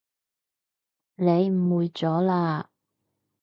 你誤會咗喇